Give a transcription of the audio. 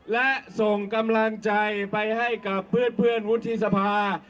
และส่งกำลังใจไปให้กับเพื่อนวุฒิสภา